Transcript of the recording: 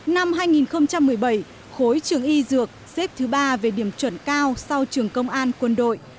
năm hai nghìn một mươi bảy khối trường y dược xếp thứ ba về điểm chuẩn cao sau trường công an quân đội